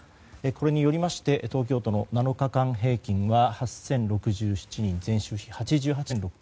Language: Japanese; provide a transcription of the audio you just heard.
これによりまして東京都の７日間平均は８０６７人前週比８８．６％。